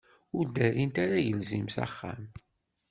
Ur d-rrint ara agelzim s axxam.